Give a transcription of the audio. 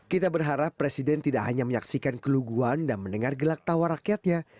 kita berharap presiden tidak hanya menyaksikan keluguan dan mendengar gelak tawa rakyatnya